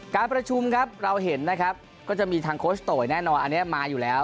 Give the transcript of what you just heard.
การประชุมครับเราเห็นนะครับก็จะมีทางโคชโตยแน่นอนอันนี้มาอยู่แล้ว